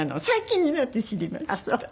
最近になって知りました。